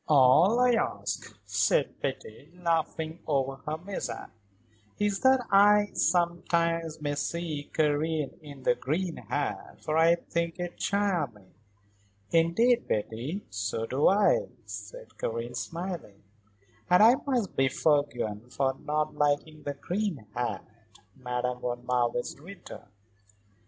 "All I ask," said Betty, laughing over her mishap, "is that I, sometimes, may see Karen in the green hat, for I think it charming." "Indeed, Betty, so do I," said Karen, smiling. "And I must be forgiven for not liking the green hat," Madame von Marwitz returned.